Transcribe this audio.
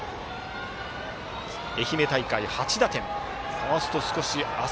愛媛大会８打点。